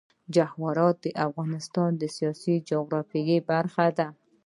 جواهرات د افغانستان د سیاسي جغرافیه برخه ده.